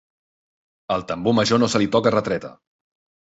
Al tambor major no se li toca retreta.